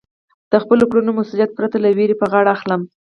د خپلو کړنو مسؤلیت پرته له وېرې په غاړه اخلئ.